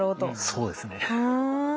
そうですね。